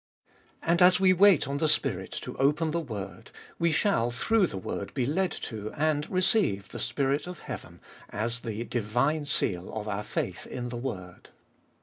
2. And as we wait on the Spirit to open the word, we shall through the word be led to and receive the spirit of heaoen, as the divine seal of our faith in the word.